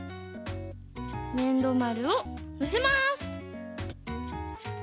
ねんどまるをのせます。